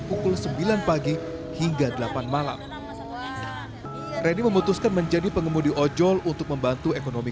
pukul sembilan pagi hingga delapan malam reni memutuskan menjadi pengemudi ojol untuk membantu ekonomi